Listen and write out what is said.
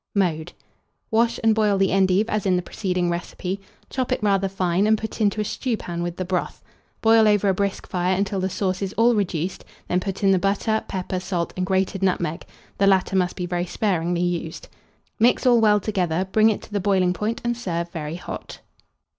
Mode. Wash and boil the endive as in the preceding recipe; chop it rather fine, and put into a stewpan with the broth; boil over a brisk fire until the sauce is all reduced; then put in the butter, pepper, salt, and grated nutmeg (the latter must be very sparingly used); mix all well together, bring it to the boiling point, and serve very hot.